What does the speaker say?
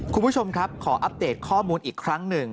คุณผู้ชมครับขออัปเดตข้อมูลอีกครั้งหนึ่ง